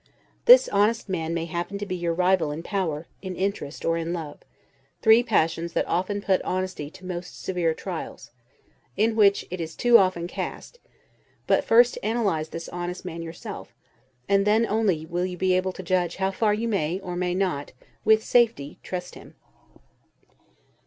This honest man may happen to be your rival in power, in interest, or in love; three passions that often put honesty to most severe trials, in which it is too often cast; but first analyze this honest man yourself; and then only you will be able to judge how far you may, or may not, with safety trust him.